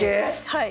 はい。